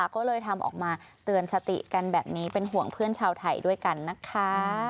ก็เลยทำออกมาเตือนสติกันแบบนี้เป็นห่วงเพื่อนชาวไทยด้วยกันนะคะ